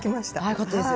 よかったです。